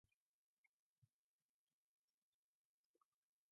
They were released the following year.